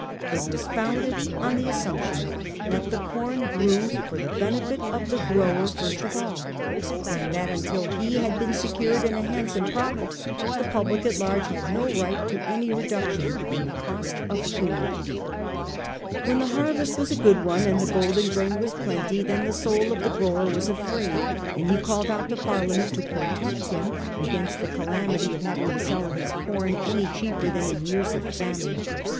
It was founded on the assumption that the corn grew for the benefit of the grower first of all ; and that until he had been secured in a handsome profit the public at large had no right to any reduction in the cost of food. 1830. THE MANCHESTER SCHOOL. 331 When the harvest was a good one, and the golden grain was plenty, then the soul of the grower was afraid, and he called out to Parliament to protect him against the calamity of having to sell his com any cheaper than in years of famine.